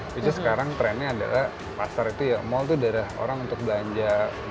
jadi sekarang trennya adalah pasar itu ya mall itu darah orang untuk belanja